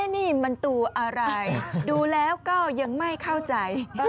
นี่มันตัวอะไรดูแล้วก็ยังไม่เข้าใจ